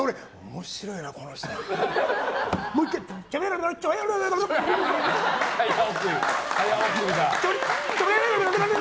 面白いな、この人って。